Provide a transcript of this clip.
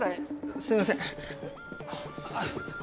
すいません。